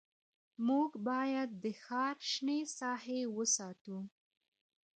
موږ باید د ښار شنه ساحې وساتو